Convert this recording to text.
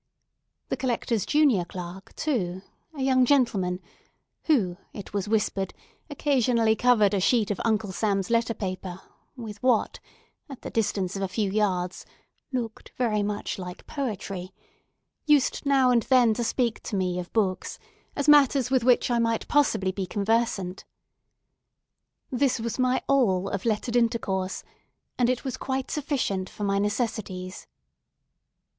The Collector's junior clerk, too a young gentleman who, it was whispered occasionally covered a sheet of Uncle Sam's letter paper with what (at the distance of a few yards) looked very much like poetry—used now and then to speak to me of books, as matters with which I might possibly be conversant. This was my all of lettered intercourse; and it was quite sufficient for my necessities.